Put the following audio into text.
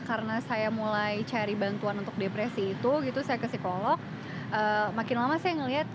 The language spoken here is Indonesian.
karena saya mulai cari bantuan untuk depresi itu gitu saya ke psikolog makin lama saya ngelihat